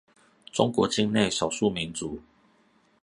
中國境內少數民族